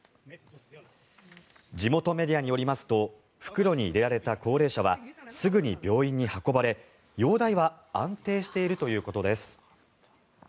地元メディアによりますと袋に入れられた高齢者はすぐに病院に運ばれ、容体は安定しているということです。